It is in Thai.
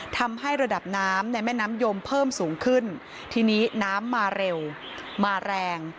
ทำให้ระดับน้ำในแม่น้ำยมเพิ่มสูงขึ้นทีนี้น้ำมาเร็วมาแรง